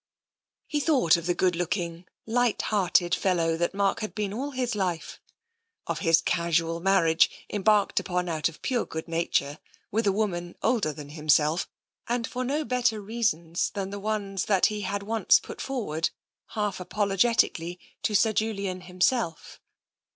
He thought of the good looking, light hearted fel low that Mark had been all his life, of his casual mar riage, embarked upon out of pure good nature, with a woman older than himself, and for no better reasons than the ones that he had once put forward, half apologetically, to Julian himself.